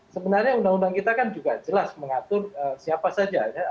sebenarnya undang undang kita kan juga jelas mengatur siapa saja